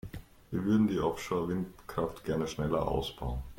Wir würden die Offshore-Windkraft gerne schneller ausbauen.